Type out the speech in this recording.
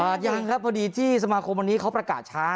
ยังครับพอดีที่สมาคมวันนี้เขาประกาศช้า